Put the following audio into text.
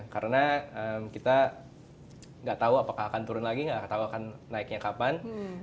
karena kita tidak tahu apakah akan turun lagi tidak tahu akan naiknya kapan